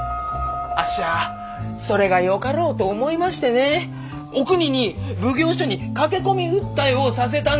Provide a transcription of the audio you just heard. あっしはそれがよかろうと思いましてねおくにに奉行所に駆け込み訴えをさせたんです。